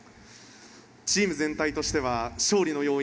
チーム全体としては勝利の要因